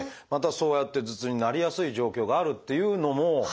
またそうやって頭痛になりやすい状況があるっていうのも。